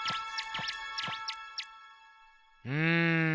うん。